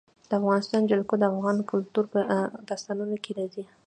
د افغانستان جلکو د افغان کلتور په داستانونو کې راځي.